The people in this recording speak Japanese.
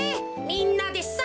みんなでさ！